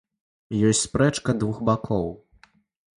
Ёсць спрэчка двух бакоў.